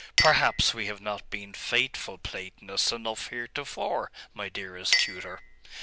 Perhaps we have not been faithful Platonists enough heretofore, my dearest tutor.